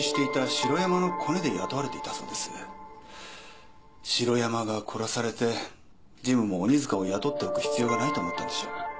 城山が殺されてジムも鬼塚を雇っておく必要がないと思ったんでしょう。